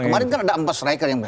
kemarin kan ada empat striker yang